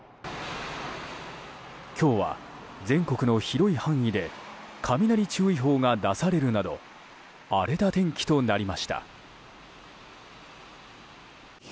今日は全国の広い範囲で雷注意報が出されるなど荒れた天気となりました。